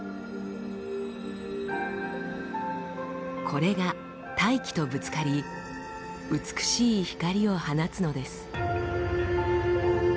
これが大気とぶつかり美しい光を放つのです。